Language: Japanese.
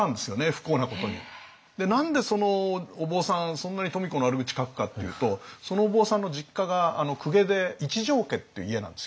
そんなに富子の悪口書くかっていうとそのお坊さんの実家が公家で一条家っていう家なんですよ。